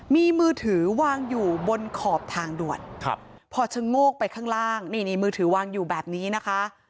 มีมือถือวางอยู่บนขอบทางด่วนพอชะโงกไปข้างล่างนี่นี่มือถือวางอยู่แบบนี้นะคะ